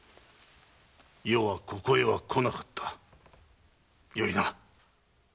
余はここへは来なかったよいな。